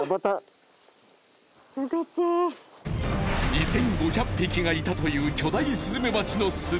２，５００匹がいたという巨大スズメバチの巣。